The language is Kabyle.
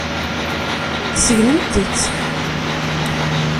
Segnemt-tt.